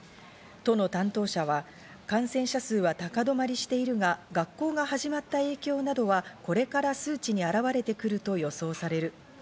都の担当者は感染者数は高止まりしているが、学校が始まった影響などは、これから数値に現われてくると予想される。